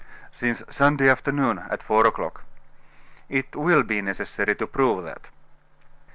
"Since Sunday afternoon, at four o'clock." "It will be necessary to prove that."